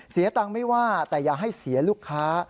เสียตังค์ไม่ว่าแต่อย่าให้เสียลูกค้า